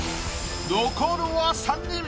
残るは三人。